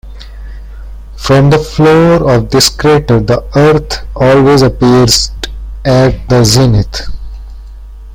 From the floor of this crater the Earth always appears at the zenith.